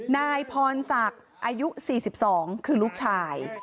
นายพรศักดิ์อายุ๔๒คือลูกชาย